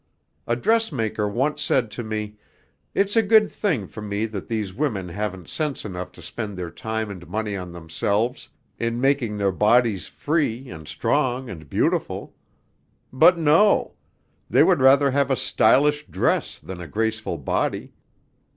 A dressmaker once said to me, 'It's a good thing for me that these women haven't sense enough to spend their time and money on themselves, in making their bodies free and strong and beautiful. But no; they would rather have a stylish dress than a graceful body.